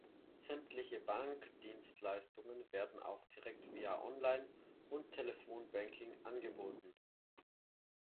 Sämtliche Bankdienstleistungen werden auch direkt via Online- und Telefon-Banking angeboten.